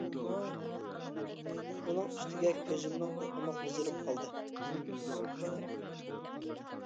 ئۇنىڭ ئۈستىگە كۆزۈمنىڭ ئېقىمۇ قىزىرىپ قالدى.